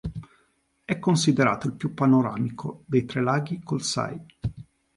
È considerato il più panoramico dei tre laghi Kolsay.